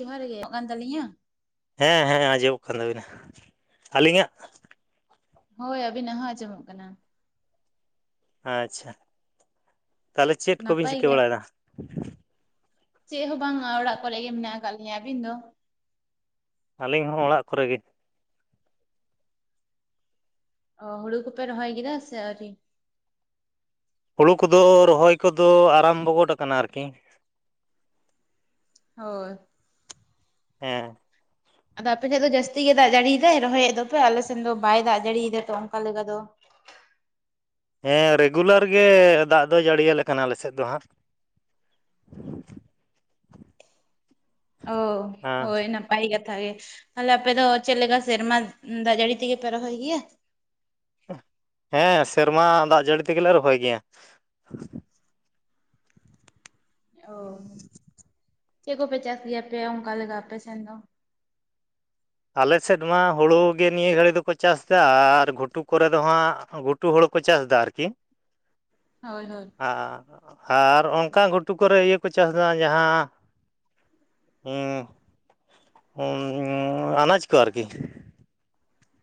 ᱡᱚᱦᱟᱨ ᱜᱮ [unintelligible] ᱟᱸᱡᱚᱢᱚᱜ ᱠᱟᱱ ᱛᱟᱞᱤᱧᱟ? ᱦᱮᱸ ᱦᱮᱸ ᱟᱸᱡᱚᱢᱚᱜ ᱠᱟᱱ ᱛᱟᱹᱵᱤᱱᱟ ᱾ ᱟᱹᱞᱤᱧᱟᱜ? ᱦᱳᱭ ᱟᱵᱤᱱᱟᱜ ᱦᱚᱸ ᱟᱸᱡᱚᱢᱚᱜ ᱠᱟᱱᱟ ᱾ ᱟᱪᱪᱷᱟ ᱛᱟᱦᱚᱞᱮ ᱪᱮᱫ ᱠᱚᱵᱤᱱ ᱱᱟᱯᱟᱭ ᱪᱤᱠᱟᱹ ᱜᱮᱭᱟ ᱵᱟᱲᱟᱭᱮᱫᱟ? ᱪᱮᱫ ᱦᱚᱸ ᱵᱟᱝᱟ ᱚᱲᱟᱜ ᱠᱚᱨᱮ ᱜᱮ ᱢᱮᱱᱟᱜ ᱟᱠᱟᱫ ᱞᱤᱧᱟᱹ᱾ ᱟᱹᱵᱤᱱ ᱫᱚ? ᱟᱹᱞᱤᱧ ᱦᱚᱸ ᱚᱲᱟᱜ ᱠᱚᱨᱮ ᱜᱮ ᱾ ᱚ ᱦᱩᱲᱩ ᱠᱚᱯᱮ ᱨᱚᱦᱚᱭ ᱠᱮᱫᱟ ᱥᱮ ᱟᱹᱣᱨᱤ? ᱦᱳᱲᱳ ᱠᱚᱫᱚ ᱨᱚᱦᱚᱭ ᱠᱚᱫᱚ ᱟᱨᱟᱢᱵᱚ ᱜᱚᱫ ᱟᱠᱟᱱᱟ ᱟᱨᱠᱤ ᱾ ᱦᱳᱭ ᱾ ᱦᱮᱸ ᱾ ᱟᱫᱚ ᱟᱯᱮ ᱥᱮᱫ ᱫᱚ ᱡᱟᱹᱥᱛᱤ ᱜᱮ ᱫᱟᱜ ᱡᱟᱹᱲᱤᱭᱫᱟᱭ ᱨᱚᱦᱚᱭ ᱮᱫ ᱫᱚᱯᱮ? ᱟᱞᱮ ᱥᱮᱱ ᱫᱚ ᱵᱟᱭ ᱫᱟᱜ ᱡᱟᱹᱲᱤᱭᱮᱫᱟ ᱛᱚ ᱚᱱᱠᱟ ᱞᱮᱠᱟ ᱫᱚ ᱾ ᱦᱮᱸ ᱨᱮᱜᱩᱞᱟᱨ ᱜᱮ ᱫᱟᱜ ᱫᱚᱭ ᱡᱟᱹᱲᱤᱭᱟᱞᱮ ᱠᱟᱱᱟ ᱟᱞᱮ ᱥᱮᱫ ᱫᱚ ᱦᱟᱸᱜ ᱾ ᱚ ᱦᱮᱸ ᱦᱳᱭ ᱱᱟ ᱱᱟᱯᱟᱭ ᱠᱟᱛᱷᱟ ᱜᱮ ᱾ ᱛᱟᱦᱚᱞᱮ ᱟᱯᱮ ᱫᱚ ᱪᱮᱫ ᱞᱮᱠᱟ ᱥᱮᱨᱢᱟ ᱫᱟᱜ ᱡᱟᱹᱲᱤ ᱛᱮᱜᱮ ᱯᱮ ᱨᱚᱦᱚᱭ ᱜᱮᱭᱟ? ᱦᱮᱸ ᱥᱮᱨᱢᱟ ᱫᱟᱜ ᱡᱟᱹᱲᱤ ᱛᱮᱜᱮ ᱞᱮ ᱨᱚᱦᱚᱭ ᱜᱮᱭᱟ ᱾ ᱚ ᱪᱮᱫ ᱠᱚᱯᱮ ᱪᱟᱥ ᱜᱮᱭᱟᱯᱮ ᱚᱱᱠᱟ ᱞᱮᱠᱟ ᱟᱯᱮ ᱥᱮᱱ ᱫᱚ? ᱟᱞ ᱥᱮᱫ ᱢᱟ ᱦᱩᱲᱩ ᱜᱮ ᱱᱤᱭᱟᱹ ᱜᱷᱟᱹᱲᱤᱡ ᱫᱚᱠᱚ ᱪᱟᱥ ᱫᱟ, ᱟᱨ ᱜᱷᱩᱴᱩ ᱠᱚᱨᱮ ᱫᱚ ᱦᱟᱸᱜ ᱜᱷᱩᱴᱩ ᱦᱩᱲᱩ ᱠᱚ ᱪᱟᱥ ᱫᱟ ᱟᱨᱠᱤ ᱾ ᱦᱳᱭ ᱦᱳᱭ ᱾ ᱟᱨ ᱟᱨ ᱚᱱᱠᱟ ᱜᱷᱩᱴᱩ ᱠᱚᱨᱮ ᱤᱭᱟᱹ ᱠᱚ ᱪᱟᱥᱫᱟ ᱡᱟᱦᱟᱸ ᱦᱩᱸ ᱾ ᱩᱸᱻ ᱟᱱᱟᱡᱽ ᱠᱚ ᱟᱨᱠᱤ ᱾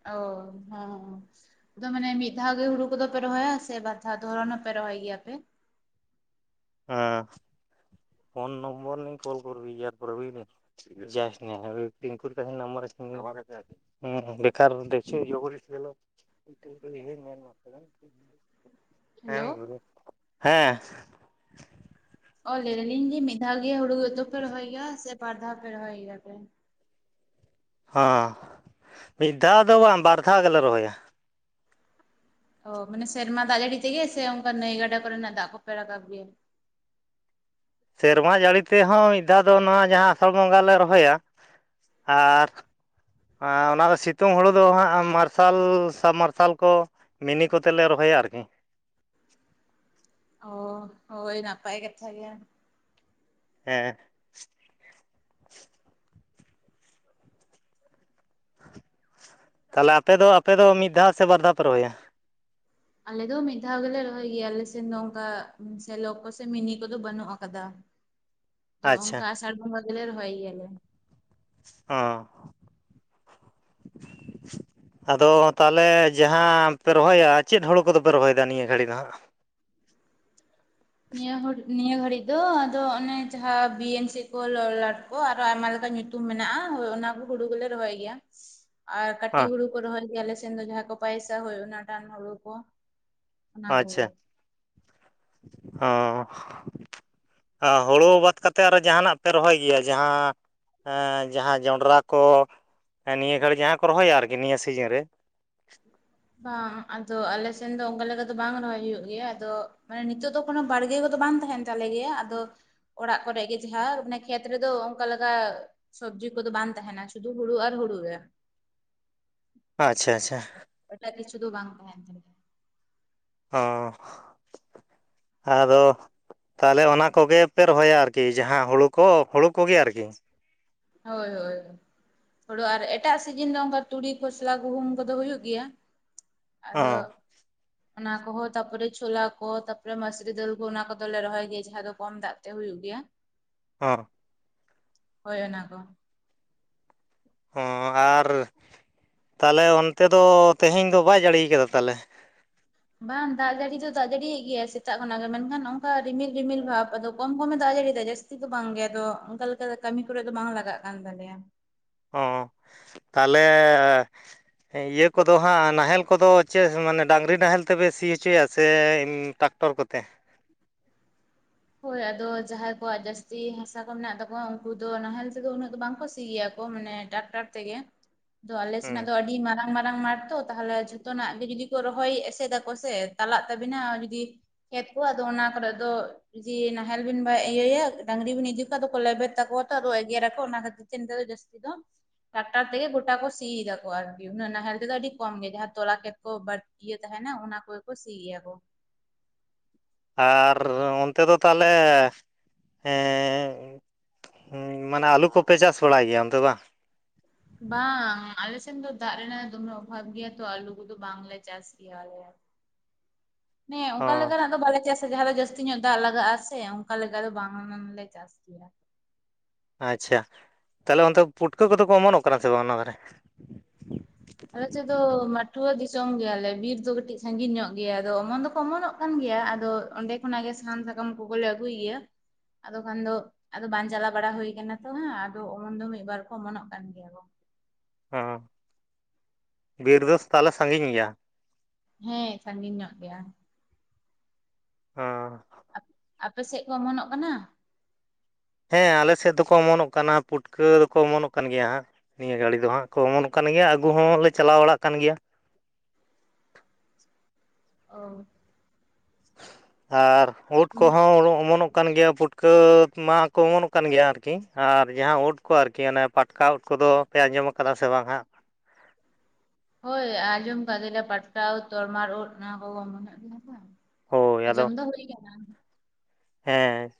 ᱚ, ᱦᱮᱸ ᱾ ᱟᱫᱚ ᱢᱟᱱᱮ ᱢᱤᱫ ᱫᱷᱟᱣ ᱜᱮ ᱦᱩᱲᱩ ᱠᱚᱫᱚᱯᱮ ᱨᱚᱦᱚᱭᱟ ᱥᱮ ᱵᱟᱨ ᱫᱷᱟᱣ ᱫᱷᱚᱨᱚᱱ ᱦᱚᱸᱯᱮ ᱨᱚᱦᱚᱭ ᱜᱮᱭᱟ ᱯᱮ ᱻ ᱦᱮᱸ, ᱯᱷᱳᱱ ᱱᱚᱢᱵᱚᱨ ᱱᱤᱭᱮ ᱠᱚᱞ ᱠᱚᱨᱵᱤ ᱤᱭᱟᱨ ᱯᱚᱨᱮ ᱵᱩᱡᱞᱤ ᱾ ᱡᱟᱥ ᱱᱟ ᱯᱤᱝᱠᱚᱨ [inaudible] ᱱᱚᱢᱵᱟᱨ ᱠᱟᱨ ᱟᱢᱟᱨ ᱠᱟᱪᱷᱮ ᱟᱪᱷᱮ [inaudible] ᱾ ᱦᱩᱸ ᱵᱮᱠᱟᱨ ᱫᱮᱠᱪᱷᱩ ᱡᱚᱜᱚᱫᱤᱥ ᱜᱮᱞᱳ [inaudible] [unintelligible] ᱦᱮᱞᱳ ᱦᱮᱸ ᱾ ᱚ ᱞᱟᱹᱭ ᱫᱟᱞᱤᱧ ᱡᱮ ᱢᱤᱫ ᱫᱷᱟᱣ ᱜᱮ ᱦᱩᱲᱩ ᱩᱛᱩ ᱯᱮ ᱨᱚᱦᱚᱭ ᱜᱮᱭᱟ ᱥᱮ ᱵᱟᱨ ᱫᱷᱟᱣ ᱯᱮ ᱨᱚᱦᱚᱭ ᱜᱮᱭᱟ ᱯᱮ? ᱦᱚᱸ ᱢᱤᱫ ᱫᱷᱟᱣ ᱫᱚ ᱵᱟᱝ ᱵᱟᱨ ᱫᱷᱟᱣ ᱜᱮᱞᱮ ᱨᱚᱦᱚᱭᱟ ᱾ ᱚ ᱢᱟᱱᱮ ᱥᱮᱨᱢᱟ ᱫᱟᱜ ᱡᱟᱹᱲᱤ ᱛᱮᱜᱮ ᱥᱮ ᱚᱱᱠᱟ ᱱᱟᱹᱭ ᱜᱟᱰᱟ ᱠᱚᱨᱮᱱᱟᱜ ᱫᱟᱜ ᱠᱚᱯᱮ ᱨᱟᱠᱟᱵ ᱜᱮᱭᱟ? ᱥᱮᱨᱢᱟ ᱡᱟᱹᱲᱤ ᱛᱮᱦᱚᱸ ᱢᱤᱫ ᱫᱷᱟᱣ ᱫᱚ ᱱᱚᱣᱟ ᱡᱟᱦᱟᱸ ᱟᱥᱟᱲ ᱵᱚᱸᱜᱟ ᱞᱮ ᱨᱚᱦᱚᱭᱟ ᱾ ᱟᱨ ᱟᱨ ᱚᱱᱟ ᱫᱚ ᱥᱤᱛᱩᱝ ᱦᱩᱲᱩ ᱫᱚ ᱦᱟᱸᱜ ᱢᱟᱨᱥᱟᱞ ᱥᱟᱵᱽ ᱢᱟᱨᱥᱟᱞ ᱠᱚ ᱢᱤᱱᱤ ᱠᱚᱛᱮ ᱞᱮ ᱨᱚᱦᱚᱭᱟ ᱟᱨᱠᱤ ᱾ ᱚ, ᱦᱳᱭ ᱱᱟᱯᱟᱭ ᱠᱟᱛᱷᱟ ᱜᱮ ᱾ ᱦᱮᱸ ᱾ ᱛᱟᱦᱚᱞᱮ ᱟᱯᱮ ᱫᱚ ᱟᱯᱮ ᱫᱚ ᱢᱤᱫ ᱫᱷᱟᱣ ᱥᱮ ᱵᱟᱨ ᱫᱷᱟᱣ ᱯᱮ ᱨᱚᱦᱚᱭᱟ? ᱟᱞᱮ ᱫᱚ ᱢᱤᱫ ᱫᱷᱟᱣ ᱜᱮᱞᱮ ᱨᱚᱦᱚᱭ ᱜᱮᱭᱟᱞ ᱥᱮ ᱱᱚᱝᱠᱟ ᱥᱮᱞᱚᱠ ᱠᱚᱥ ᱢᱤᱱᱤ ᱠᱚᱫᱚ ᱵᱟᱹᱱᱩᱜ ᱟᱠᱟᱫᱟ ᱾ [unintelligible] ᱟᱫᱚ ᱟᱪᱪᱷᱟ ᱚᱱᱠᱟ ᱟᱥᱟᱲ ᱵᱚᱸᱜᱟ ᱜᱮᱞᱮ ᱨᱚᱦᱚᱭ ᱜᱮᱭᱟᱞᱮ ᱾ ᱚ ᱾ ᱟᱫᱚ ᱛᱟᱦᱚᱞᱮ ᱡᱟᱦᱟᱸ ᱯᱮ ᱨᱚᱦᱚᱭᱟ ᱪᱮᱫ ᱦᱩᱲᱩ ᱠᱚᱫᱚᱯᱮ ᱨᱚᱦᱚᱭᱮᱫᱟ ᱱᱤᱭᱟᱹ ᱜᱷᱟᱹᱲᱤᱡ ᱫᱚ ᱦᱟᱸᱜ? ᱱᱤᱭᱟᱹ ᱱᱤᱭᱟᱹ ᱜᱷᱟᱹᱲᱤᱡ ᱾ ᱫᱚ ᱟᱫᱚ ᱚᱱᱮ ᱡᱟᱦᱟᱸ ᱵᱤᱭ ᱮᱱ ᱥᱤ ᱠᱚ ᱞᱚᱞᱟᱴ ᱠᱚ ᱟᱨᱚ ᱟᱭᱢᱟ ᱞᱮᱠᱟ ᱧᱩᱛᱩᱢ ᱢᱮᱱᱟᱜᱼᱟ ᱚᱱᱟ ᱠᱚ ᱾ ᱜᱩᱰᱩᱜᱩᱞᱮ ᱨᱚᱦᱚᱭ ᱜᱮᱭᱟ ᱾ ᱟᱨ ᱠᱟᱹᱴᱤᱡ ᱦᱟᱸ ᱦᱩᱲᱩ ᱠᱚ ᱨᱚᱦᱚᱭ ᱜᱮ ᱟᱞᱮ ᱥᱮᱱ ᱫᱚ ᱡᱟᱦᱟᱸ ᱠᱚ ᱯᱚᱭᱥᱟ ᱦ ᱚᱱᱟ ᱨᱟᱱ ᱦᱩᱲᱩ ᱠᱚ ᱾ ᱟᱪᱷᱟ ᱚ ᱾ ᱦᱩᱲᱩ ᱵᱟᱫ ᱠᱟ ᱠᱟᱛᱮᱫ ᱟᱨᱚ ᱡᱟᱦᱟᱱᱟᱜ ᱯᱮ ᱨᱚᱦᱚᱭ ᱜᱮᱭᱟ ᱡᱟᱦᱟᱸ ᱾ ᱡᱟᱦᱟᱸ ᱡᱚᱱᱰᱨᱟ ᱠᱚ ᱱᱤᱭᱟᱹ ᱜᱷᱟᱹᱲᱤᱡ ᱡᱟᱦᱟᱸ ᱠᱚ ᱨᱚᱦᱚᱭᱟ ᱟᱨᱠᱤ ᱱᱤᱭᱟᱹ ᱥᱤᱡᱤᱱ ᱨᱮ ᱾ ᱵᱟᱝ ᱟᱫᱚ ᱟᱞᱮᱥᱱ ᱫᱚ ᱚᱱᱠᱟ ᱞᱮᱠᱟ ᱫᱚ ᱵᱟᱝ ᱨᱚᱦᱚᱭ ᱦᱩᱭᱩᱜ ᱜᱮᱭᱟ ᱟᱫᱚ ᱢᱟᱱᱮ ᱱᱤᱛᱚᱜ ᱫᱚ ᱠᱚᱱᱚ ᱵᱟᱲᱜᱮ ᱠᱚᱫᱚ ᱵᱟᱝ ᱛᱟᱦᱮᱱ ᱛ ᱾ ᱛᱟᱞᱮ ᱜᱮ ᱟᱫᱚ ᱚᱲᱟᱜ ᱠᱚᱨᱮ ᱜᱮ ᱡᱟᱦᱟᱸ ᱚᱱᱮ ᱠᱷᱮᱛ ᱨᱮᱫᱚ ᱚᱱᱠᱟ ᱞᱮᱠᱟ ᱾ ᱥᱚᱵᱡᱤ ᱠᱚᱫᱚ ᱵᱟᱝ ᱛᱟᱦᱮᱱᱟ ᱥᱩᱫᱷᱩ ᱦᱩᱲᱩ ᱟᱨ ᱦᱩᱲᱩ ᱨᱮ ᱾ ᱟᱪᱷᱟ ᱟᱪᱷᱟ ᱾ ᱮᱴᱟᱜ ᱠᱤᱪᱷᱩ ᱫᱚ ᱵᱟᱝ ᱛᱟᱦᱮᱱ ᱛᱱᱟ ᱾ ᱚ ᱟᱫᱚ ᱾ ᱛᱟᱦᱚᱞᱮ ᱚᱱᱟ ᱠᱚᱜᱮᱯᱮ ᱨᱚᱦᱚᱭᱟ ᱟᱨᱠᱤ ᱡᱟᱦᱟᱸ ᱦᱳᱲᱳ ᱠᱚ ᱦᱳᱲᱩ ᱠᱚᱜᱮ ᱟᱨᱠᱤ ᱾ ᱦᱳᱭ ᱦᱳᱭ ᱾ ᱦᱳᱲᱳ ᱟᱨ ᱮᱴᱟᱜ ᱥᱤᱡᱤᱱ ᱫᱚ ᱚᱱᱠᱟ ᱛᱩᱲᱤ ᱠᱷᱚᱥᱞᱟ ᱜᱩᱦᱩᱢ ᱠᱚᱫᱚ ᱦᱩᱭᱩᱜ ᱜᱮᱭᱟ ᱾ ᱟᱫᱚ ᱚ ᱾ ᱚᱱᱟ ᱠᱚᱦᱚᱸ ᱛᱟᱯᱚᱨᱮ ᱪᱷᱳᱞᱟ ᱠᱚ ᱛᱟᱯᱚᱨᱮ ᱢᱟᱥᱨᱤ ᱫᱟᱹᱞ ᱠᱚ ᱚᱱᱟ ᱠᱚᱫᱚᱞᱮ ᱨᱚᱦᱚᱭ ᱜᱮᱭᱟ ᱡᱟᱦᱟᱸ ᱫᱚ ᱠᱚᱢ ᱫᱟᱜ ᱛᱮ ᱦ ᱦᱩᱭᱩᱜ ᱜᱮᱭᱟ ᱾ ᱚᱷ ᱾ ᱦᱳᱭ ᱚᱱᱟ ᱠᱚ ᱾ ᱦᱚᱸ ᱟᱨ ᱛᱟᱦᱚᱞᱮ ᱚᱱᱛᱮ ᱫᱚ ᱛᱮᱦᱮᱧ ᱫᱚ ᱵᱟᱭ ᱡᱟᱹᱲᱤᱭᱟ ᱠᱟᱫᱟ ᱛᱟᱦᱚᱞᱮ? ᱵᱟᱝ ᱫᱟᱜ ᱡᱟᱹᱲᱤ ᱫᱚ ᱫᱟᱜ ᱡᱟᱹᱲᱤᱭᱟᱜ ᱜᱮᱭᱟ ᱥᱮᱛᱟᱜ ᱠᱷᱚᱱᱟᱜ ᱜᱮ ᱢᱮᱱᱠᱷᱟᱱ ᱚᱱᱠᱟ ᱨᱤᱢᱤᱞ ᱨᱤᱢᱤᱞ ᱵᱷᱟᱵᱽ ᱟᱫᱚ ᱠᱚᱢ ᱠᱚᱢᱮ ᱫᱟᱜ ᱡᱟᱹᱲᱤᱭᱫᱟ ᱡᱟᱹᱛᱤ ᱾ ᱡᱟᱹᱥᱛᱤ ᱫᱚ ᱵᱟᱝ ᱜᱮ ᱟᱫᱚ ᱚᱱᱠᱟ ᱞᱮᱠᱟ ᱠᱟᱹᱢᱤ ᱠᱚᱨᱮᱫ ᱫᱚ ᱵᱟᱝ ᱞᱟᱜᱟᱜ ᱠᱟᱱ ᱛᱟᱞᱮᱭᱟ ᱾ ᱚ ᱛᱟᱦᱚᱞᱮ ᱾ ᱤᱭᱟᱹ ᱠᱚᱫᱚ ᱦᱟᱸᱜ ᱱᱟᱦᱮᱞ ᱠᱚᱫᱚ ᱪᱟᱹᱥ ᱢᱟᱱᱮ ᱰᱟᱝᱨᱤ ᱱᱟᱦᱮᱞ ᱛᱮᱯᱮ ᱥᱤ ᱦᱚᱪᱚᱭᱟ ᱥᱮ ᱴᱟᱠ? ᱴᱚᱨ ᱠᱚᱛᱮ? ᱦᱳᱭ ᱟᱫᱚ ᱡᱟᱦᱟᱸᱭ ᱠᱚᱣᱟᱜ ᱡᱟᱹᱥᱛᱤ ᱦᱟᱥᱟ ᱠᱚ ᱢᱮᱱᱟᱜ ᱛᱟᱠᱚᱣᱟ ᱩᱱᱠᱩ ᱫᱚ ᱱᱟᱦᱮᱞ ᱛᱮᱫᱚ ᱩᱱᱟᱹᱜ ᱫᱚ ᱵᱟᱝ ᱠᱚ ᱥᱤᱭ ᱜᱮᱭᱟ ᱠᱚ ᱢᱟᱱᱮ ᱾ ᱰᱟᱠᱴᱟᱨ ᱛᱮᱜᱮ ᱾ [unintelligible] ᱫᱚ ᱟᱞᱮ ᱦᱩᱸ ᱥᱮᱱᱟᱜ ᱫᱚ ᱟᱹᱰᱤ ᱢᱟᱨᱟᱝ ᱢᱟᱨᱟᱝ ᱢᱟᱴ ᱛᱚ ᱛᱟᱦᱚᱞᱮ ᱾ ᱡᱚᱛᱚᱱᱟᱜ ᱜᱮ ᱡᱩᱫᱤ ᱠᱚ ᱨᱚᱦᱚᱭ ᱮᱥᱮ ᱫᱟᱠᱚ ᱥᱮ ᱛᱟᱞᱟᱜ ᱛᱟᱵᱤᱱᱟ ᱡᱩᱫᱤ ᱾ ᱠᱷᱮᱛ ᱠᱚ ᱟᱫᱚ ᱚᱱᱟᱠᱚᱨᱮ ᱫᱚ ᱾ ᱡᱮ ᱱᱟᱦᱮᱞ ᱵᱤᱱ ᱵᱟ ᱤᱭᱟᱹᱭᱟ ᱰᱟᱝᱨᱤ ᱵᱤᱱ ᱤᱡᱤ ᱠᱚᱣᱟ ᱟᱫᱚ ᱠᱚ ᱞᱮᱵᱮᱫ ᱛᱟᱠᱚᱣᱟ ᱛᱚ ᱟᱫᱚ ᱮᱜᱨᱟ ᱨᱟᱠᱚ ᱚᱱᱟ ᱠᱷᱟᱹᱛᱤᱨ ᱛᱮ ᱱᱤᱛᱚᱜ ᱫᱚ ᱡᱟᱹᱥᱛ ᱾ ᱥᱤ ᱫᱚ ᱾ ᱴᱟᱠᱴᱟᱨ ᱛᱮᱜᱮ ᱜᱚᱴᱟ ᱠᱚ ᱥᱤᱭ ᱫᱟᱠᱚ ᱟᱨᱠᱤ ᱩᱱᱟᱹᱜ ᱱᱟᱦᱮᱞ ᱛᱮ ᱫᱚ ᱟᱹᱰᱤ ᱠᱚᱢ ᱜᱮ ᱡᱟᱦᱟ ᱚᱱᱟ ᱛᱚᱞᱟ ᱠᱷᱮᱫ ᱠᱚ ᱵᱟ ᱾ ᱤᱭᱟᱹ ᱛᱟᱦᱮᱱᱟ ᱚᱱᱟ ᱠᱚᱜᱮ ᱠᱚ ᱥᱤᱭ ᱜᱮᱭᱟ ᱠᱚ ᱾ ᱟᱨ ᱚᱱᱛᱮ ᱫᱚ ᱛᱟᱦᱚᱞᱮ ᱮᱸ ᱾ ᱦᱮ ᱢᱟᱱᱮ ᱟᱞᱩ ᱠᱚᱯᱮ ᱪᱟᱥ ᱵᱟᱲᱟᱭ ᱜᱮᱭᱟ ᱚᱱᱛᱮ ᱵᱟᱝ? ᱵᱟᱝ ᱟᱞᱮᱥᱮᱱ ᱫᱚ ᱫᱟᱜ ᱨᱮᱱᱟᱜ ᱫᱚᱢᱮ ᱚᱵᱷᱟᱵ ᱜᱮᱭᱟ ᱛᱚ ᱟᱞᱩ ᱠᱚᱫᱚ ᱵᱟᱝᱞᱮ ᱪᱟᱥ ᱾ ᱜᱮᱭᱟ ᱞᱮ ᱾ [inaudible] ᱱᱮᱸ ᱚ ᱚᱱᱠᱟ ᱞᱮᱠᱟᱱᱟᱜ ᱫᱚ ᱵᱟᱞᱮ ᱪᱟᱥ ᱡᱟᱦᱟᱸ ᱫᱚ ᱡᱟᱹᱥᱛᱤ ᱧᱚᱜ ᱫᱟᱜ ᱞᱟᱜᱟᱜᱼᱟ ᱥᱮ, ᱚᱱᱠᱟ ᱞᱮᱠᱟ ᱫᱚ ᱵᱟᱝ ᱞᱮ ᱪᱟᱥ ᱜᱮᱭᱟ᱾ ᱟᱪᱪᱷᱟ, ᱛᱟᱦᱚᱞᱮ ᱚᱱᱛᱮ ᱯᱩᱴᱠᱟᱹ ᱠᱚᱫᱚ ᱠᱚ ᱚᱢᱚᱱᱚᱜ ᱠᱟᱱᱟ ᱥᱮ ᱵᱟᱝ ᱚᱱᱟ ᱫᱷᱟᱨᱮ? ᱟᱞᱮᱥᱮᱫ ᱫᱚ ᱢᱟᱴᱷᱣᱟᱹ ᱫᱤᱥᱚᱢ ᱜᱮᱭᱟᱞᱮ ᱵᱤᱨ ᱫᱚ ᱠᱟᱴᱤᱡ ᱥᱟᱜᱤᱧ ᱧᱚᱜ ᱜᱮᱭᱟ ᱟᱫᱚ ᱚᱢᱚᱱ ᱫᱚᱠᱚ ᱚᱢᱚᱱᱚᱜ ᱠᱟᱱ ᱜᱮᱭᱟ ᱟᱫᱚ ᱚᱰᱮ ᱠᱷᱚᱱᱟᱜ ᱜᱮ ᱥᱟᱦᱟᱱ ᱥᱟᱠᱟᱢ ᱠᱚᱜᱚᱞᱮ ᱟᱜᱩᱭ ᱜᱮᱭᱟ ᱟᱫᱚ ᱠᱷᱟᱱ ᱫᱚᱼ ᱟᱫᱚ ᱵᱟᱝ ᱪᱟᱞᱟᱣ ᱵᱟᱲᱟ ᱦᱩᱭ ᱟᱠᱱᱟ ᱛᱚ ᱦᱟᱜ, ᱟᱫᱚ ᱚᱢᱚᱱ ᱫᱚ ᱢᱤᱫᱵᱟᱨ ᱠᱚ ᱚᱢᱚᱱᱚᱜ ᱠᱟᱱ ᱜᱮᱭᱟ ᱠᱚ᱾ ᱚᱸ ᱵᱤᱨ ᱫᱚ ᱛᱟᱦᱚᱞᱮ ᱥᱟᱜᱤᱧ ᱜᱮᱭᱟ? ᱦᱮᱸ ᱥᱟᱜᱤᱧ ᱧᱚᱜ ᱜᱮᱭᱟ? ᱚᱸᱻ ᱟᱯ ᱟᱯᱮ ᱥᱮᱫ ᱠᱚ ᱚᱢᱚᱱᱚᱜ ᱠᱟᱱᱟ? ᱦᱮᱸ ᱟᱞᱮ ᱥᱮᱫ ᱫᱚᱠᱚ ᱚᱢᱚᱱᱚᱜ ᱠᱟᱱᱟ ᱯᱩᱴᱠᱟᱹ ᱫᱚᱠᱚ ᱠᱚ ᱚᱢᱚᱱᱚᱜ ᱠᱟᱱ ᱜᱮᱭᱟ ᱦᱟᱸᱜ᱾ ᱱᱤᱭᱟᱹ ᱜᱷᱟᱲᱤ ᱫᱚ ᱦᱟᱸᱜ ᱠᱚ ᱚᱢᱚᱱᱚᱜ ᱠᱟᱱ ᱜᱮᱭᱟ ᱟᱹᱜᱩ ᱦᱚᱞᱮ ᱪᱟᱞᱟᱣ ᱵᱟᱲᱟᱜ ᱠᱟᱱ ᱜᱮᱭᱟ᱾ ᱚᱻ ᱟᱨ ᱳᱫ ᱩᱱᱟᱹᱜ ᱠᱚᱦᱚ ᱚᱢᱚᱱᱚᱜ ᱠᱟᱱ ᱜᱮᱭᱟ ᱯᱩᱴᱠᱟᱹ ᱢᱟᱠᱚ ᱚᱢᱚᱱᱚᱜ ᱠᱟᱱ ᱜᱮᱭᱟ ᱟᱨᱠᱤ, ᱟᱨ ᱡᱟᱦᱟ ᱳᱫ ᱠᱚ ᱟᱨᱠᱤ ᱦᱟᱱᱮ ᱯᱟᱴᱠᱟ ᱩᱴ ᱠᱚᱫᱚᱼ ᱯᱮ ᱟᱸᱡᱚᱢ ᱟᱠᱟᱫᱟ ᱥᱮ ᱵᱟᱝ ᱦᱟᱸᱜ? ᱦᱳᱭ ᱟᱸᱡᱚᱢ ᱟᱠᱟᱫ ᱜᱮᱭᱟ ᱞᱮ ᱯᱟᱴᱠᱟ ᱩᱫ, ᱛᱚᱨᱢᱟᱨ ᱳᱫ ᱚᱱᱟ ᱠᱚᱜᱚ ᱚᱢᱚᱱᱚᱜᱜ ᱜᱮᱭᱟ ᱵᱟᱝ᱾ ᱦᱳᱭ ᱟᱫᱚ ᱟᱸᱡᱚᱢ ᱫᱚ ᱦᱩᱭ ᱠᱟᱱᱟ᱾ ᱦᱮᱸ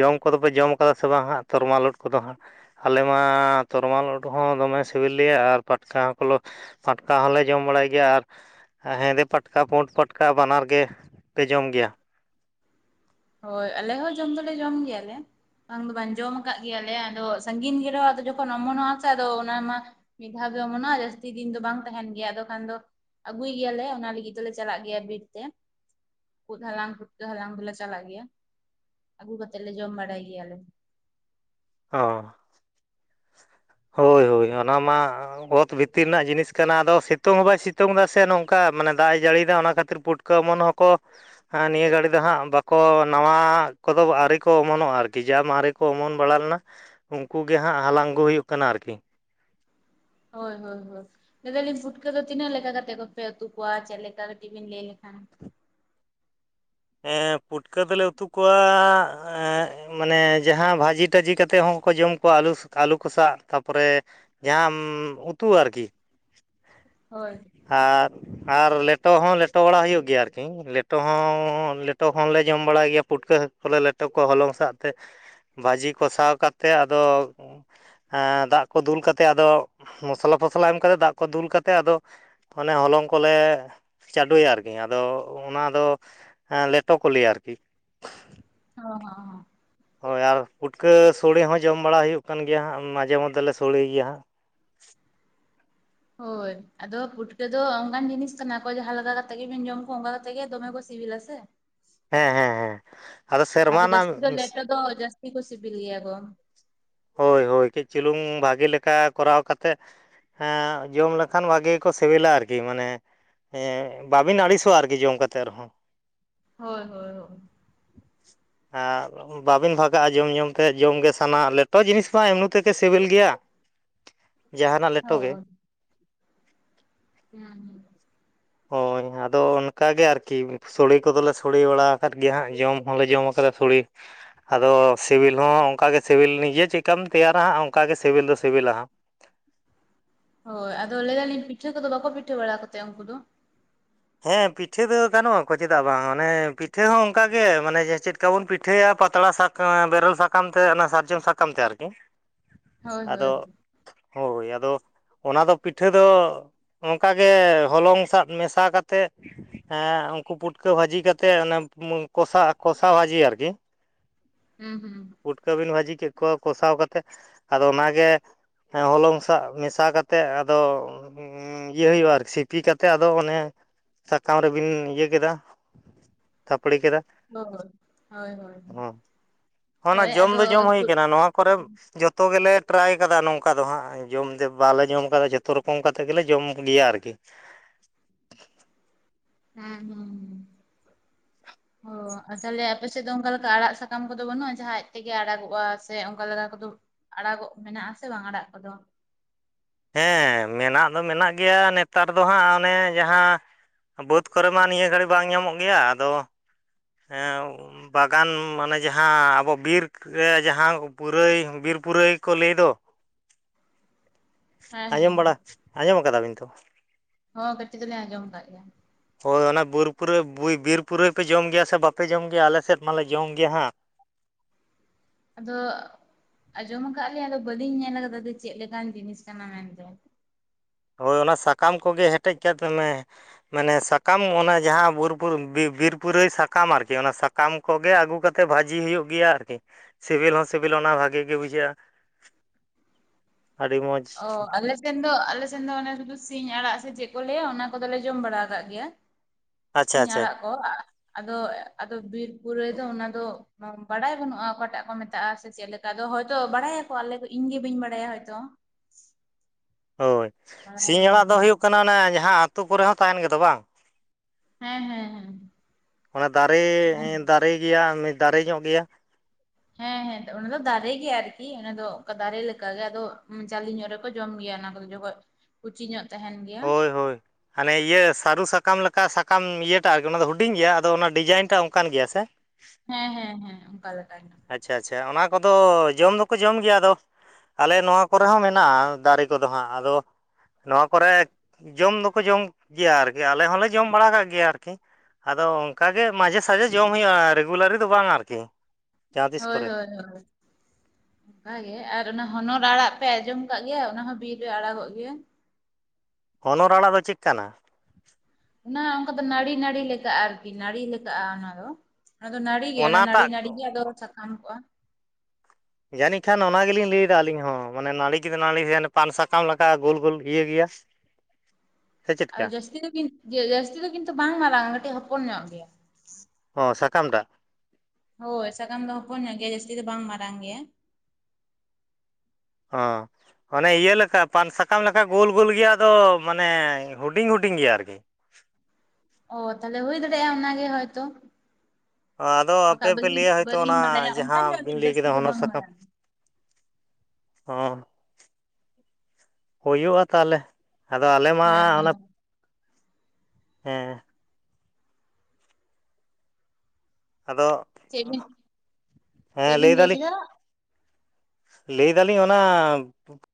ᱡᱚᱢ ᱠᱚᱫᱚ ᱯᱮ ᱡᱚᱢ ᱠᱟᱫᱟ ᱥᱮ ᱵᱟᱝ ᱦᱟᱸᱜ ᱛᱚᱨᱢᱟᱞ ᱳᱫ ᱠᱚᱫᱚ ᱦᱟᱸᱜ? ᱟᱞᱮ ᱢᱟᱻ ᱛᱚᱨᱢᱟᱞ ᱳᱫ ᱦᱚᱸ ᱫᱚᱢᱮ ᱥᱮᱹᱵᱮᱹᱞ ᱞᱮᱭᱟ ᱟᱨ ᱯᱟᱴᱠᱟ ᱦᱚ ᱠᱚᱞᱚᱼ ᱯᱟᱴᱠᱟ ᱦᱚᱸᱞᱮ ᱡᱚᱢ ᱵᱟᱲᱟᱭ ᱜᱮᱭᱟ ᱟᱨᱼ ᱦᱮᱸᱫᱮ ᱯᱟᱴᱠᱟ, ᱯᱩᱰ ᱯᱟᱴᱠᱟ ᱵᱟᱱᱟᱨ ᱜᱮ ᱯᱮ ᱡᱚᱢ ᱜᱮᱭᱟ? ᱦᱳᱭ ᱟᱞᱮ ᱦᱚ ᱡᱚᱢ ᱫᱚᱞᱮ ᱡᱚᱢ ᱜᱮᱭᱟ ᱞᱮ᱾ ᱵᱟᱝ ᱫᱚ ᱵᱟᱝ ᱡᱚᱢ ᱟᱠᱟᱫ ᱜᱮᱭᱟ ᱞᱮ, ᱟᱫᱚ ᱥᱟᱜᱤᱧ ᱜᱮ ᱨᱮᱦᱚ ᱟᱫᱚ ᱡᱚᱠᱷᱚᱱ ᱚᱢᱚᱱᱚᱜ-ᱟ ᱥᱮ ᱟᱫᱚ ᱚᱱᱟ ᱢᱟᱼ ᱢᱤᱫ ᱫᱟᱦᱟᱣ ᱜᱮ ᱚᱢᱚᱱᱚᱜᱼᱟ ᱡᱟᱥᱛᱤ ᱫᱤᱱ ᱫᱚ ᱵᱟᱝ ᱛᱟᱸᱦᱮᱱ ᱜᱮᱭᱟ, ᱟᱫᱚ ᱠᱷᱟᱱ ᱫᱚᱼ ᱟᱜᱩᱭ ᱜᱮᱭᱟᱞᱮ ᱚᱱᱟ ᱞᱟᱜᱤᱫ ᱫᱚᱞᱮ ᱪᱟᱞᱟᱜ ᱜᱮᱭᱟ ᱵᱤᱨ ᱛᱮ᱾ ᱳᱫ ᱦᱟᱞᱟᱝ ᱯᱩᱴᱠᱟᱹ ᱦᱟᱞᱟᱝ ᱫᱚᱞᱮᱼ ᱪᱟᱞᱟᱜ ᱜᱮᱭᱟ᱾ ᱟᱜᱩ ᱠᱟᱛᱮᱜ ᱞᱮ ᱡᱚᱢ ᱵᱟᱲᱟᱭ ᱜᱮᱭᱟᱞᱮ᱾ ᱚᱻ ᱦᱳᱭ ᱦᱳᱭ ᱚᱱᱟ ᱢᱟᱻ ᱚᱛ ᱵᱷᱤᱛᱤᱨ ᱨᱮᱱᱟᱜ ᱡᱤᱱᱤᱥ ᱠᱟᱱᱟ ᱟᱫᱚ ᱥᱤᱛᱩᱝ ᱦᱚ ᱵᱟᱭ ᱥᱤᱛᱩᱝ ᱮᱫᱟ ᱥᱮ ᱚᱝᱠᱟ ᱢᱟᱱᱮ ᱫᱟᱜ ᱮ ᱡᱟᱹᱲᱤ ᱭᱮᱫᱟ ᱚᱱᱟ ᱠᱷᱟᱹᱛᱤᱨ ᱯᱩᱴ ᱠᱟᱹ ᱚᱢᱚᱱᱟᱜ ᱠᱚ, ᱦᱟᱸ ᱱᱤᱭᱟᱹ ᱜᱟᱹᱲᱤ ᱫᱚ ᱦᱟᱸᱜ ᱵᱟᱠᱚ ᱱᱟᱣᱟ ᱠᱚᱫᱚ ᱟᱹᱣᱨᱤ ᱠᱚ ᱚᱢᱚᱱᱚᱜ-ᱟ ᱟᱨᱠᱤ, ᱡᱟ ᱢᱟᱨᱮᱼ ᱠᱚ ᱚᱢᱚᱱ ᱵᱟᱲᱟ ᱞᱮᱱᱟ, ᱩᱱᱠᱩ ᱜᱮ ᱦᱟᱸᱜ ᱦᱟᱞᱟᱝ ᱟᱹᱜᱩ ᱦᱩᱭᱩᱜ ᱠᱟᱱᱟ ᱟᱨᱠᱤ᱾ ᱦᱳᱭ ᱦᱳᱭ ᱦᱳᱭ᱾ ᱞᱟᱹᱭᱫᱟᱞᱤᱧ ᱯᱩᱴᱠᱟᱹ ᱫᱚ ᱛᱤᱱᱟᱹᱜ ᱞᱮᱠᱟ ᱠᱟᱛᱮ ᱠᱚᱯᱮ ᱩᱛᱩ ᱠᱚᱣᱟ ᱪᱮᱫ ᱞᱮᱠᱟ ᱠᱟᱹᱴᱤᱡ ᱵᱤᱱ ᱞᱟᱹᱭ ᱞᱮᱠᱷᱟᱱ? ᱮᱸᱻ ᱯᱩᱴᱠᱟᱹ ᱫᱚᱞᱮ ᱩᱛᱩ ᱠᱚᱣᱟᱻ ᱮᱸᱜ ᱢᱟᱱᱮ ᱡᱟᱦᱟᱸ ᱵᱷᱟᱹᱡᱤᱼ ᱴᱟᱡᱤ ᱠᱟᱛᱮᱫ ᱦᱚᱸᱠᱚ ᱡᱚᱢ ᱠᱚᱣᱟ ᱟᱞᱩ ᱟᱞᱩ ᱠᱚᱥᱟᱜ ᱛᱟᱯᱚᱨᱮᱼ ᱡᱟᱦᱧᱟᱢ ᱩᱛᱩ ᱟᱨᱠᱤ? ᱦᱳᱭ᱾ ᱟᱨ ᱟᱨ ᱞᱮᱴᱚ ᱦᱚᱸ ᱞᱮᱴᱚ ᱵᱟᱲᱟ ᱦᱩᱭᱩᱜ ᱜᱮᱭᱟ ᱟᱨᱠᱤ, ᱞᱮᱴᱚ ᱦᱚᱸᱻ ᱞᱮᱴᱚ ᱦᱚᱸᱞᱮ ᱡᱚᱢ ᱵᱟᱲᱟᱭ ᱜᱮᱭᱟ ᱯᱩᱴᱠᱟᱹ ᱦᱟᱸᱠᱩ ᱠᱚᱞᱮ ᱞᱮᱴᱚ ᱠᱚᱣᱟ ᱦᱚᱞᱚᱝ ᱥᱟᱜ ᱛᱮ᱾ ᱵᱟᱡᱤ ᱠᱚᱥᱟᱣ ᱠᱟᱛᱮ ᱟᱫᱚᱼ ᱦᱮᱸᱻ ᱫᱟᱜ ᱠᱚ ᱫᱩᱞ ᱠᱟ ᱠᱟᱛᱮ ᱟᱫᱚ ᱢᱚᱥᱞᱟ ᱯᱷᱚᱥᱞᱟ ᱮᱢ ᱠᱟᱛᱮᱫ ᱫᱟᱜ ᱠᱚ ᱫᱩᱞ ᱠᱟᱛᱮᱫ ᱟᱫᱚᱼᱼ ᱚᱱᱮ ᱦᱚᱞᱚᱝ ᱠᱚᱞᱮᱻ ᱪᱟᱹᱰᱳᱭᱟ ᱟᱨᱠᱤ ᱟᱫᱚ ᱚᱱᱟᱫᱚᱼ ᱦᱮᱸ ᱞᱮᱴᱚ ᱠᱚ ᱞᱟᱹᱭᱟ ᱟᱨᱠᱤ᱾ ᱚ ᱚ᱾ ᱦᱳᱭ ᱟᱨ ᱯᱩᱴᱠᱟᱹ ᱥᱳᱲᱮ ᱦᱚᱸ ᱡᱚᱢ ᱵᱟᱲᱟ ᱦᱩᱭᱩᱜ ᱠᱟᱱ ᱜᱮᱭᱟ ᱦᱟᱸᱜ ᱢᱟᱡᱷᱮ ᱢᱚᱫᱽᱫᱷᱮ ᱞᱮ ᱥᱳᱲᱮ ᱜᱮᱭᱟ ᱦᱟᱸᱜ᱾ ᱦᱳᱭ ᱟᱫᱚ ᱯᱩᱴᱠᱟᱹ ᱫᱚ ᱚᱱᱠᱟᱱ ᱡᱤᱱᱤᱥ ᱠᱟᱱᱟ ᱠᱚ ᱡᱟᱦᱟᱸ ᱞᱮᱠᱟ ᱠᱟᱛᱮᱜ ᱜᱮᱵᱤᱱ ᱡᱚᱢ ᱠᱚᱣᱟ ᱚᱱᱠᱟ ᱠᱟᱛᱮ ᱜᱮ ᱫᱚᱢᱮ ᱠᱚ ᱥᱤᱵᱤᱞᱟ ᱥᱮ? ᱦᱮᱸ ᱦᱮᱸ ᱦᱮᱸ᱾ ᱟᱫᱚ ᱥᱮᱨᱢᱟ ᱡᱟᱹᱥᱛᱤ ᱨᱮᱱᱟᱜ ᱫᱚ ᱞᱮᱴᱚ ᱫᱚ ᱡᱟᱹᱥᱛᱤ ᱠᱚ ᱥᱤᱵᱤᱞ ᱜᱮᱭᱟ ᱠᱚ᱾ ᱦᱳᱭ ᱦᱳᱭ ᱠᱟᱹᱡ ᱪᱩᱞᱩᱝ ᱵᱷᱟᱹᱜᱮ ᱞᱮᱠᱟ ᱠᱚᱨᱟᱣ ᱠᱟᱛᱮᱫ ᱦᱮᱸ ᱡᱚᱢ ᱞᱮᱠᱷᱟᱱ ᱵᱷᱟᱜᱮ ᱜᱮᱠᱚ ᱥᱮᱵᱮᱞᱟ ᱟᱨᱠᱤ ᱢᱟᱱᱮ ᱦᱮᱸ ᱵᱟᱵᱤᱱ ᱟᱹᱲᱤᱥᱚᱜᱼᱟ ᱟᱨᱠᱤ ᱡᱚᱢ ᱠᱟᱛᱮᱫ ᱨᱮᱦᱚᱸ᱾ ᱦᱳᱭ ᱦᱳᱭ ᱦᱳᱭ᱾ ᱟᱨ ᱵᱟᱵᱤᱱ ᱵᱷᱟᱜᱟᱜᱼᱟ ᱡᱚᱢ ᱡᱚᱢ ᱛᱮ ᱡᱚᱢᱜᱮ ᱥᱟᱱᱟ ᱞᱮ ᱴᱚ ᱡᱤᱱᱤᱥ ᱢᱟ ᱮᱢᱱᱤ ᱛᱮᱜᱮ ᱥᱮᱵᱮᱞ ᱜᱮᱭᱟ ᱡᱟᱦᱟᱱᱟᱜ ᱞᱮᱴᱚ ᱜᱮ᱾ ᱦᱳᱭ ᱦᱩᱸ ᱦᱩᱸ᱾ ᱦᱳᱭ ᱦᱟᱸᱜ᱾ ᱟᱫᱚ ᱚᱱᱠᱟᱜᱮ ᱟᱨᱠᱤ ᱥᱳᱲᱮ ᱠᱚᱫᱚᱞᱮ ᱥᱳᱲᱮ ᱵᱟᱲᱟ ᱟᱠᱟᱫ ᱜᱮᱭᱟ ᱦᱟᱸᱜ ᱡᱚᱢ ᱦᱚᱸᱞᱮ ᱡᱚᱢ ᱠᱟᱫᱟ ᱥᱳᱲᱮ᱾ ᱟᱫᱚ ᱥᱮᱵᱮᱞ ᱦᱚᱸ ᱚᱱᱠᱟᱜᱮ ᱥᱮᱵᱮᱞ ᱱᱤᱡᱮ ᱪᱮᱫᱠᱟᱢ ᱛᱮᱭᱟᱨᱟ ᱦᱟᱸᱜ ᱚᱱᱠᱟᱜᱮ ᱥᱮᱵᱮᱞ ᱫᱚ ᱥᱮᱵᱮᱞᱟ ᱦᱟᱸᱜ᱾ ᱦᱳᱭ ᱟᱫᱚ ᱞᱟᱹᱭ ᱫᱟᱞᱤᱧ ᱯᱤᱴᱷᱟᱹ ᱠᱚᱫᱚ ᱵᱟᱠᱚ ᱯᱤᱴᱷᱟᱹ ᱵᱟᱲᱟ ᱠᱚᱛᱮ ᱩᱱᱠᱩ ᱫᱚ? ᱦᱮᱸ ᱯᱤᱴᱷᱟᱹ ᱫᱚ ᱜᱟᱱᱚᱜᱼᱟ ᱠᱚ ᱪᱮᱫᱟᱜ ᱵᱟᱝ, ᱟᱱᱮ ᱯᱤᱴᱷᱟᱹ ᱦᱚᱸ ᱚᱱᱠᱟ ᱜᱮ ᱢᱟᱱᱮ ᱪᱮᱫ ᱠᱟ ᱵᱚᱱ ᱯᱤᱴᱷᱟᱹᱭᱟ ᱯᱟᱛᱲᱟ ᱥᱟ ᱠᱟ ᱮᱸ ᱵᱮᱨᱮᱞ ᱥᱟᱠᱟᱢ ᱛᱮ ᱚᱱᱟ ᱥᱟᱨᱡᱚᱢ ᱥᱟᱠᱟᱢ ᱛᱮ ᱟᱨᱠᱤ, ᱦᱳᱭ ᱦᱳᱭ ᱟᱫᱚ ᱦᱳᱭ ᱟᱫᱚ ᱚᱱᱟ ᱫᱚ ᱯᱤᱴᱷᱟᱹ ᱫᱚ ᱚᱱᱠᱟ ᱜᱮ ᱦᱚᱞᱚᱝ ᱥᱟᱜ ᱢᱮᱥᱟ ᱠᱟ ᱛᱮᱫ ᱮᱸ ᱩᱱᱠᱩ ᱯᱩᱴᱠᱟᱹ ᱵᱷᱟᱹᱡᱤ ᱠᱟᱛᱮᱫ ᱚᱱᱮ ᱠᱚᱥᱟ ᱠᱚᱥᱟ ᱵᱷᱟᱹᱡᱤ ᱟᱨᱠᱤ᱾ ᱦᱩᱸ ᱦᱩᱸ ᱦᱩᱸ᱾ ᱯᱩᱴᱠᱟᱹ ᱵᱤᱱ ᱵᱷᱟᱹᱡᱤ ᱠᱮᱫ ᱠᱚᱣᱟ ᱠᱚᱥᱟᱣ ᱠᱟᱛᱮᱫ ᱟᱫᱚ ᱚᱱᱟᱜᱮ ᱦᱮᱸ ᱦᱚᱞᱚᱝ ᱥᱟᱜ ᱢᱮᱥᱟ ᱠᱟᱛᱮᱫ ᱟᱫᱚ ᱩᱸ ᱤᱭᱟᱹ ᱦᱩᱭᱩᱜᱼᱟ ᱟᱨ ᱥᱤᱯᱤ ᱠᱟᱛᱮᱫ ᱟᱫᱚ ᱚᱱᱮ ᱥᱟᱠᱟᱢ ᱨᱮᱵᱤᱱ ᱤᱭᱟᱹ ᱠᱮᱫᱟ ᱛᱷᱟᱯᱲᱤ ᱠᱮᱫᱟ᱾ ᱦᱳᱭ, ᱦᱳᱭ ᱦᱳᱭ ᱦᱳᱭ᱾ ᱦᱚᱸ ᱚᱱᱟ ᱡᱚᱢ ᱟᱫᱚ ᱫᱚ ᱡᱚᱢ ᱦᱩᱸ ᱦᱩᱭ ᱠᱟᱱᱟ, ᱱᱚᱣᱟ ᱠᱚᱨᱮᱜ ᱡᱚᱛᱚ ᱜᱮᱞᱮ ᱴᱨᱟᱭ ᱠᱟᱫᱟ ᱱᱚᱝᱠᱟ ᱫᱚ ᱦᱟᱸᱜ᱾ ᱡᱚᱢ ᱡᱮ ᱵᱟᱞᱮ ᱡᱚᱢ ᱠᱟᱫᱟ ᱡᱷᱚᱛᱚ ᱨᱚᱠᱚᱢ ᱠᱟ ᱠᱟᱛᱮ ᱜᱮᱞᱮ ᱡᱚᱢ ᱜᱮᱭᱟ ᱟᱨᱠᱤ᱾ ᱦᱩᱸ ᱦᱩᱸ ᱦᱩᱸ᱾ [inaudible] ᱚ ᱛᱟᱦᱞᱮ ᱟᱯᱮ ᱥᱮᱫ ᱫᱚ ᱚᱱᱠᱟ ᱞᱮᱠᱟ ᱟᱲᱟᱜ ᱥᱟᱠᱟᱢ ᱠᱚᱫᱚ ᱵᱟᱹᱱᱩᱜᱼᱟ ᱡᱟᱦᱟᱸ ᱟᱡ ᱛᱮᱜᱮ ᱟᱲᱟᱜᱚᱜᱼᱟ ᱥᱮ ᱚᱱᱠᱟ ᱞᱮᱠᱟ ᱠᱚᱫᱚ ᱟᱲᱟᱜᱚᱜ ᱢᱮᱱᱟᱜ-ᱟ ᱥᱮ ᱵᱟᱝ ᱟᱲᱟᱜ ᱠᱚᱫᱚ? ᱦᱮᱸ ᱢᱮᱱᱟᱜ ᱫᱚ ᱢᱮᱱᱟᱜ ᱜᱮᱭᱟ ᱱᱮᱛᱟᱨ ᱫᱚ ᱦᱟᱸᱜ ᱚᱱᱮ ᱡᱟᱦᱟᱸ ᱵᱟᱹᱫᱽ ᱠᱚᱨᱮ ᱢᱟ ᱱᱤᱭᱟᱹ ᱜᱷᱟᱹᱲᱤ ᱵᱟᱝ ᱧᱟᱢᱚᱜ ᱜᱮᱭᱟ ᱟᱫᱚ ᱦᱮᱸ ᱵᱟᱜᱟᱱ ᱢᱟᱱᱮ ᱡᱟᱦᱟᱸ ᱟᱵᱚ ᱵᱤᱨ ᱨᱮ ᱡᱟᱦᱟᱸ ᱯᱩᱨᱟᱹᱭ ᱵᱤᱨ ᱯᱩᱨᱟᱹᱭ ᱠᱚ ᱞᱟᱹᱭ ᱫᱚ, ᱦᱮᱸ ᱟᱸᱡᱚᱢ ᱦᱮᱸ ᱵᱟᱲᱟ ᱟᱸᱡᱚᱢ ᱠᱟᱫᱟ ᱵᱤᱱ ᱛᱚ? ᱦᱚᱸ ᱠᱟᱹᱴᱤᱡ ᱫᱚᱞᱤᱧ ᱟᱸᱡᱚᱢ ᱠᱟᱜ ᱜᱮᱭᱟ᱾ ᱦᱳᱭ ᱚᱱᱟ ᱵᱩᱨ ᱯᱩᱨᱟᱹ ᱵᱤ ᱵᱤᱨ ᱯᱩᱨᱟᱹᱭ ᱯᱮ ᱡᱚᱢ ᱜᱮᱭᱟ ᱥᱮ ᱵᱟᱯᱮ ᱡᱚᱢ ᱜᱮᱭᱟ ᱟᱞᱮ ᱥᱮᱫ ᱢᱟᱞᱮ ᱡᱚᱢ ᱜᱮᱭᱟ ᱦᱟᱸᱜ᱾ ᱟᱫᱚ ᱟᱸᱡᱚᱢ ᱠᱟᱜ-ᱟ ᱞᱮᱧ ᱟᱫᱚ ᱵᱟᱹᱞᱤᱧ ᱧᱮᱞ ᱠᱟᱫᱟ ᱫᱚ ᱪᱮᱫ ᱞᱮᱠᱟᱱ ᱡᱤᱱᱤᱥ ᱠᱟᱱᱟ ᱢᱮᱱᱛᱮ᱾ ᱦᱳᱭ ᱚᱱᱟ ᱥᱟᱠᱟᱢ ᱠᱚᱜᱮ ᱦᱮᱴᱮᱡ [inaudible] ᱢᱟᱱᱮ ᱥᱟᱠᱟᱢ ᱚᱱᱟ ᱡᱟᱦᱟᱸ ᱵᱩᱨ ᱯᱩᱨ ᱵᱤ ᱵᱤᱨ ᱯᱩᱨᱟᱹᱭ ᱥᱟᱠᱟᱢ ᱟᱨᱠᱤ ᱚᱱᱟ ᱥᱟ- ᱠᱟᱢ ᱠᱚᱜᱮ ᱟᱹᱜᱩ ᱠᱟᱛᱮ ᱵᱷᱟᱹᱡᱤ ᱦᱩᱭᱩᱜ ᱜᱮᱭᱟ ᱟᱨᱠᱤ᱾ ᱥᱤᱵᱤᱞ ᱦᱚᱸ ᱥᱤᱵᱤᱞ ᱚᱱᱟ ᱵᱷᱟᱜᱮ ᱜᱮ ᱵᱩᱡᱷᱟᱹᱜᱼᱟ ᱟᱹᱰᱤ ᱢᱚᱡᱽ ᱚ ᱟᱞᱮ ᱟᱞᱮ ᱥᱮᱱ ᱫᱚ ᱟᱞᱮᱥᱮᱱ ᱫᱚ ᱚᱱᱮ ᱥᱩᱫᱷᱩ ᱥᱤᱧ ᱟᱲᱟᱜ ᱥᱮ ᱪᱮᱫ ᱠᱚ ᱞᱟᱹᱭᱟ ᱚᱱᱟ ᱠᱚᱫᱚᱞᱮ ᱡᱚᱢ ᱵᱟᱲᱟ ᱠᱟᱜ ᱜᱮᱭᱟ ᱟᱪᱪᱷᱟ ᱥᱤᱧ ᱟᱪᱪᱷᱟ ᱟᱲᱟᱜ ᱠᱚ ᱟᱫᱚ ᱟᱫᱚ ᱵᱤᱨ [unintelligible] ᱫᱚ ᱚᱱᱟ ᱫᱚ ᱵᱟᱲᱟᱭ ᱵᱟᱹᱱᱩᱜᱼᱟ ᱚᱠᱟᱴᱟᱜ ᱠᱚ ᱢᱮᱛᱟᱜᱼᱟ ᱥᱮ ᱪᱮᱫ ᱞᱮᱠᱟ ᱫᱚ ᱦᱚᱭᱛᱚ ᱵᱟᱲᱟᱭᱟᱠᱚ ᱟᱞᱮ ᱤᱧ ᱜᱮ ᱵᱟᱹᱧ ᱵᱟᱲᱟᱭᱟ ᱦᱚᱭᱛᱚ, [inaudible] ᱦᱳᱭ ᱵᱟᱲᱟᱭ ᱥᱤᱧ ᱟᱲᱟᱜ ᱫᱚ ᱦᱩᱭᱩᱜ ᱵᱟᱹᱱᱩᱜᱼᱟ ᱠᱟᱱᱟ ᱚᱱᱮ ᱡᱟᱦᱟᱸ ᱟᱹᱛᱳ ᱠᱚᱨᱮ ᱦᱚᱸ ᱛᱟᱦᱮᱱ ᱜᱮ ᱫᱚ ᱵᱟᱝ, ᱦᱮᱸ ᱦᱮᱸ ᱚᱱᱟ ᱫᱟᱨᱮ ᱦᱮᱸ ᱫᱟᱨᱮ ᱜᱮᱭᱟ ᱫᱟᱨᱮ ᱧᱚᱜ ᱜᱮᱭᱟ ᱦᱮᱸ ᱦᱮᱸ ᱚᱱᱟ ᱫᱚ ᱫᱟᱨᱮ ᱜᱮᱭᱟ ᱟᱨ ᱠᱤ ᱚᱱᱟ ᱫᱚ ᱚᱱᱠᱟ ᱫᱟᱨᱮ ᱞᱮᱠᱟ ᱜᱮ ᱟᱫᱚ ᱡᱟᱞᱤ ᱧᱚᱜ ᱨᱮ ᱠᱚ ᱡᱚᱢ ᱜᱮᱭᱟ ᱚᱱᱟ ᱠᱚ ᱡᱚᱠᱷᱚᱡ ᱠᱩᱪᱤ ᱧᱚᱜ ᱛᱟᱦᱮᱱ ᱜᱮᱭᱟ ᱦᱳᱭ ᱦᱳᱭ ᱦᱟᱱᱮ ᱤᱭᱟᱹ ᱥᱟᱹᱨᱩ ᱥᱟᱠᱟᱢ ᱞᱮᱠᱟ ᱥᱟᱠᱟᱢ ᱤᱭᱟᱹᱴᱟᱜ ᱚᱱᱟ ᱫᱚ ᱦᱩᱰᱤᱧ ᱜᱮᱭᱟ ᱟᱫᱚ ᱚᱱᱟ ᱰᱤᱡᱟᱭᱤᱱᱴᱟᱜ ᱚᱱᱠᱟᱱ ᱜᱮᱭᱟ ᱥᱮ ᱦᱮᱸ ᱦᱮᱸ ᱦᱮᱸ ᱚᱱᱠᱟ ᱞᱮᱠᱟ ᱜᱮ ᱟᱪᱪᱷᱟ ᱟᱪᱪᱷᱟ ᱚᱱᱟ ᱠᱚᱫᱚ ᱡᱚᱢ ᱫᱚᱠᱚ ᱡᱚᱢ ᱜᱮᱭᱟ ᱟᱫᱚ ᱟᱞᱮ ᱱᱚᱶᱟ ᱠᱚᱨᱮ ᱦᱚᱸ ᱢᱮᱱᱟᱜᱼᱟ ᱫᱟᱨᱮ ᱠᱚᱫᱚ ᱦᱟᱸᱜ ᱟᱫᱚ ᱱᱚᱣᱟ ᱠᱚᱨᱮ ᱡᱚᱢ ᱫᱚᱠᱚ ᱡᱚᱢ ᱜᱮᱭᱟ ᱟᱨᱠᱤ ᱟᱞᱮ ᱦᱚᱸᱞᱮ ᱡᱚᱢ ᱵᱟᱲᱟ ᱠᱟᱜ ᱜᱮᱭᱟ ᱟᱨᱠᱤ ᱟᱫᱚ ᱚᱱᱠᱟ ᱜᱮ ᱢᱟᱡᱷᱮ ᱥᱟᱡᱷᱮ ᱡᱚᱢ ᱦᱩᱭᱩᱜᱼᱟ ᱨᱮᱜᱩᱞᱟᱨᱫᱚ ᱵᱟᱝ ᱟᱨᱠᱤ ᱡᱟᱦᱟᱸ ᱛᱤᱥ ᱦᱳᱭ ᱠᱚᱨᱮ ᱦᱳᱭ ᱦᱳᱭ ᱚᱱᱠᱟᱜᱮ ᱟᱨ ᱚᱱᱟ ᱦᱚᱱᱚᱨ ᱟᱲᱟᱜ ᱯᱮ ᱟᱸᱡᱚᱢ ᱠᱟᱜ ᱜᱮᱭᱟ ᱚᱱᱟ ᱦᱚᱸ ᱵᱤᱨ ᱨᱮ ᱟᱲᱟᱜᱚᱜ ᱜᱮᱭᱟ ᱦᱚᱱᱚᱨ ᱟᱲᱟᱜ ᱫᱚ ᱪᱮᱫ ᱠᱟᱱᱟ? ᱚᱱᱟ ᱚᱱᱠᱟ ᱫᱚ ᱱᱟᱹᱲᱤ ᱱᱟᱹᱲᱤ ᱞᱮᱠᱟᱜ-ᱟ ᱟᱨᱠᱤ ᱱᱟᱹᱲᱤ ᱞᱮᱠᱟᱜᱼᱟ ᱚᱱᱟ ᱫᱚ ᱟᱫᱚ ᱱᱟᱹᱲᱤ ᱜᱮ ᱚᱱᱟ ᱱᱟᱹᱲᱤ ᱚᱱᱟᱴᱟᱜ ᱱᱟᱹᱲᱤᱜ ᱜᱮ ᱟᱫᱚ ᱥᱟᱠᱟᱢ ᱠᱚᱜᱼᱟ᱾ ᱡᱟᱹᱱᱤᱡ ᱠᱷᱟᱱ ᱚᱱᱟ ᱜᱮᱞᱤᱧ ᱞᱟᱹᱭ ᱫᱟ ᱟᱹᱞᱤᱧ ᱦᱚᱸ ᱢᱟᱱᱮ ᱱᱟᱹᱲᱤ ᱜᱮ ᱱᱟᱹᱲᱤ ᱯᱟᱱ ᱥᱟᱠᱟᱢ ᱞᱮᱠᱟ ᱜᱳᱞ ᱜᱳᱞ ᱤᱭᱟᱹ ᱜᱮᱭᱟ [inaudible] ᱟᱨ ᱪᱮᱫᱠᱟ ᱡᱟᱹᱥᱛᱤ ᱫᱚ ᱠᱤᱱ ᱡᱟᱹᱥᱛᱤ ᱫᱚ ᱠᱤᱱᱛᱩ ᱵᱟᱝ ᱢᱟᱨᱟᱝᱟ ᱠᱟᱹᱴᱤᱡ ᱦᱚᱯᱚᱱ ᱧᱚᱜ ᱜᱮᱭᱟ ᱚ ᱥᱟᱠᱟᱢ ᱴᱟᱜ ᱦᱳᱭ ᱥᱟᱠᱟᱢ ᱫᱚ ᱦᱚᱯᱚᱱ ᱧᱚᱜ ᱜᱮᱭᱟ ᱡᱟᱹᱥᱛᱤ ᱫᱚ ᱵᱟᱝ ᱢᱟᱨᱟᱝ ᱜᱮᱭᱟ ᱚ ᱚᱱᱮ ᱤᱭᱟᱹ ᱞᱮᱠᱟ ᱯᱟᱱ ᱥᱟᱠᱟᱢ ᱞᱮᱠᱟ ᱜᱳᱞ ᱜᱳᱞ ᱜᱮᱭᱟ ᱟᱫᱚ ᱢᱟᱱᱮ ᱦᱩᱰᱤᱧ ᱦᱩᱰᱤᱧ ᱜᱮᱭᱟ ᱟᱨᱠᱤ ᱚ ᱛᱟᱦᱚᱞᱮ ᱦᱩᱭ ᱫᱟᱲᱮᱭᱟᱜᱼᱟ ᱚᱱᱟᱜᱮ ᱦᱳᱭᱛᱚ ᱚ ᱟᱫᱚ ᱟᱯᱮ ᱯᱮ ᱞᱟᱹᱭᱟ ᱦᱳᱭᱛᱳ ᱵᱟᱹᱞᱤᱧ ᱚᱱᱟ ᱵᱟᱲᱟᱭᱟ ᱚᱱᱠᱟᱱ ᱡᱟᱦᱟᱸ ᱫᱚ ᱟᱹᱰᱤ ᱵᱤᱱ ᱞᱟᱹᱭ ᱡᱟᱹᱥᱛᱤ ᱠᱮᱫᱟ ᱫᱚ ᱦᱚᱱᱚᱨ ᱵᱟᱝ ᱥᱟᱠᱟᱢ ᱢᱟᱨᱟᱝ ᱦᱚᱸ ᱦᱩᱭᱩᱜᱼᱟ ᱛᱟᱦᱚᱞᱮ ᱟᱫᱚ ᱟᱞᱮ ᱢᱟ ᱦᱮᱸ ᱚᱱᱟ ᱦᱮᱸ ᱦᱮᱸ ᱟᱫᱚ ᱪᱮᱜ ᱵᱤᱱ [unintelligible] ᱦᱮᱸ ᱪᱮᱜ ᱵᱤᱱ ᱞᱟᱹᱭ ᱫᱟᱞᱤᱧ ᱠᱮᱫᱟ ᱾ ᱞᱟᱹᱭ ᱫᱟᱞᱤᱧ ᱚᱱᱟ